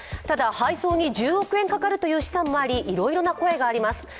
ただ、配送に１０億円かかるという試算もあり、いろいろな声もあります